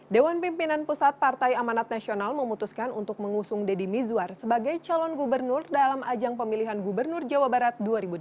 dewan pimpinan pusat partai amanat nasional memutuskan untuk mengusung deddy mizwar sebagai calon gubernur dalam ajang pemilihan gubernur jawa barat dua ribu delapan belas